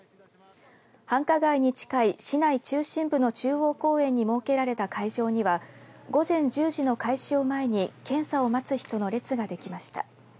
繁華街に近い市内中心部の中央公園に設けられた会場には午前１０時の開始を前に検査を待つ人の列ができました。